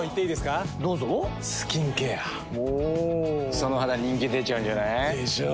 その肌人気出ちゃうんじゃない？でしょう。